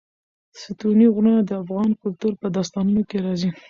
ستوني غرونه د افغان کلتور په داستانونو کې راځي.